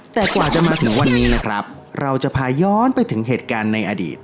แต่กว่าจะมาถึงวันนี้นะครับเราจะพาย้อนไปถึงเหตุการณ์ในอดีต